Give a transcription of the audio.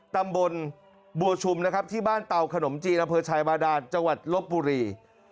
ตำบลบัวชุมนะครับที่บ้านเตาขนมจีนอำเภอชายบาดานจังหวัดลบบุรี